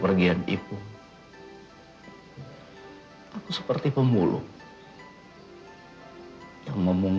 mengait kepala babi yang seusuh sebusui dengan punko